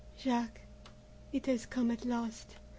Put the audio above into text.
"Jack, it has come at last.